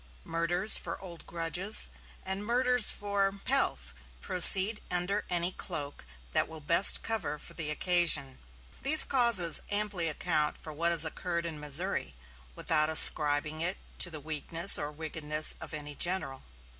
Murders for old grudges, and murders for pelf, proceed under any cloak that will best cover for the occasion. These causes amply account for what has occurred in Missouri, without ascribing it to the weakness or wickedness of any general.